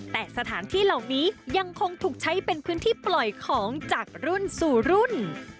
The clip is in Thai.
แต่สถานที่เหล่านี้ยังคงถูกใช้เป็นพื้นที่ปล่อยของจากรุ่นสู่รุ่น